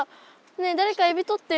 ねえだれかエビとって。